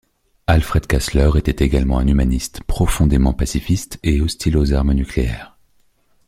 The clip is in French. Alfred Kastler était également un humaniste, profondément pacifiste, et hostile aux armes nucléaires.